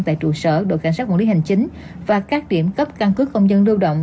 tại trụ sở đội cảnh sát quản lý hành chính và các điểm cấp căn cước công dân lưu động